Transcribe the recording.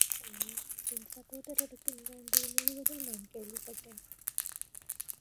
ஆனால், என் சகோதரருக்கு நிகழ்ந்தது முழுவதும் நான் கேள்விப்பட்டேன்.